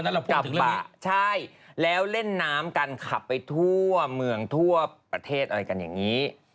เพราะวันนั้นเราพูดถึงเรื่องนี้ระบะใช่แล้วเล่นน้ำกันขับไปทั่วเมืองทั่วประเทศอะไรกันอย่างนี้